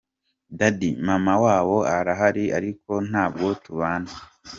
Daddy: Mama wabo arahari ariko ntabwo tubana.